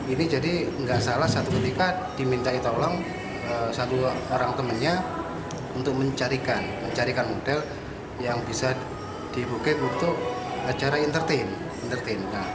ini jadi tidak salah satu ketika diminta tolong satu orang temannya untuk mencarikan model yang bisa dibukain untuk acara entertain